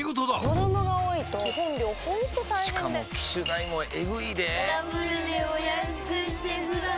子供が多いと基本料ほんと大変でしかも機種代もエグいでぇダブルでお安くしてください